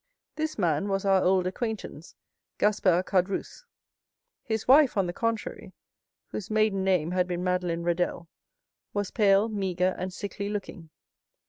This man was our old acquaintance, Gaspard Caderousse. His wife, on the contrary, whose maiden name had been Madeleine Radelle, was pale, meagre, and sickly looking.